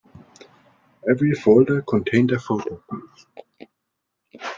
Every folder contained a photo.